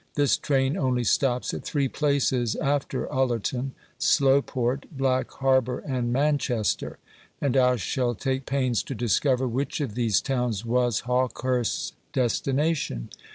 This train only stops at three places after Ullerton Slowport, Black Harbour, and Manchester; and I shall take pains to discover which of these towns was Hawkehurst's destination.